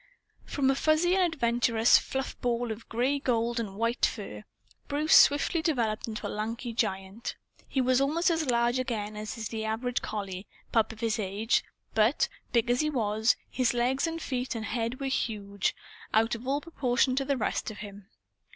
From a fuzzy and adventurous fluff ball of gray gold and white fur, Bruce swiftly developed into a lanky giant. He was almost as large again as is the average collie pup of his age; but, big as he was, his legs and feet and head were huge, out of all proportion to the rest of him.